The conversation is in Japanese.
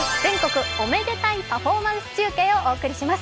おめでたいパフォーマンス中継」をお送りします。